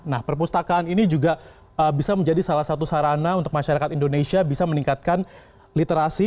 nah perpustakaan ini juga bisa menjadi salah satu sarana untuk masyarakat indonesia bisa meningkatkan literasi